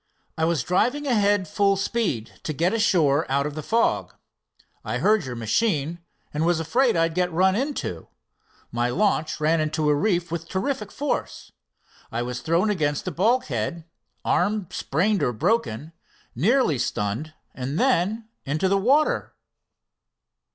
I was driving ahead full speed, to get ashore out of the fog. I heard your machine, and was afraid I'd get run into. My launch ran into a reef with terrific force. I was thrown against it bulkhead, arm sprained or broken, nearly stunned, and then into the water."